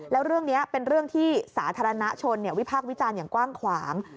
แล้วเรื่องนี้เป็นเรื่องที่สาธารณชนวิพากษ์วิจารณ์อย่างกว้างขวาง